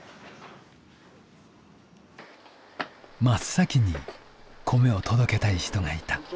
真っ先に米を届けたい人がいた。